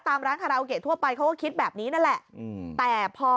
ตามร้านคาราโอเกะทั่วไปเขาก็คิดแบบนี้นั่นแหละแต่พอ